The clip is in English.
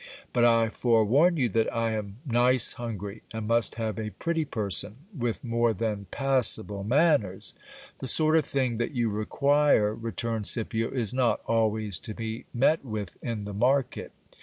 But I forewarn you that I am nice hungry, and must have a pretty person, with more than passable manners. The sort of thing that you require, returned Scipio, is not always to be met with in the market.